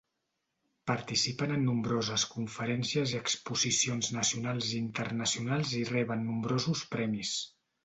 Participen en nombroses conferències i exposicions nacionals i internacionals i reben nombrosos premis.